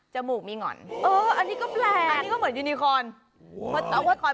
มูกมีหง่อนเอออันนี้ก็แปลกอันนี้ก็เหมือนยูนิคอน